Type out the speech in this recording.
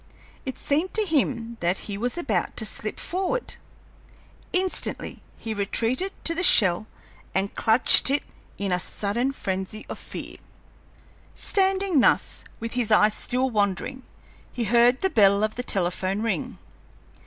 It seemed to him that he was about to slip downward! Instantly he retreated to the shell and clutched it in a sudden frenzy of fear. Standing thus, with his eyes still wandering, he heard the bell of the telephone ring.